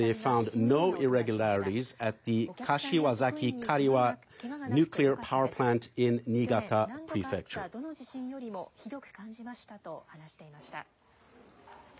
去年何度かあったどの地震よりもひどく感じましたと話していました。